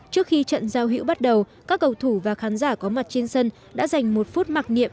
trước khi trận giao hữu bắt đầu các cầu thủ và khán giả có mặt trên sân đã dành một phút mặc niệm